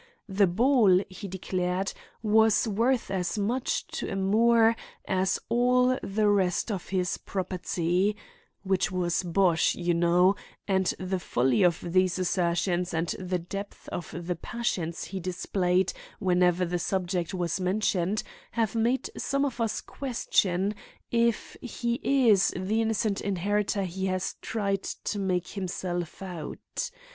This ball, he declared, was worth as much to a Moore as all the rest of his property, which was bosh, you know; and the folly of these assertions and the depth of the passions he displayed whenever the subject was mentioned have made some of us question if he is the innocent inheritor he has tried to make himself out.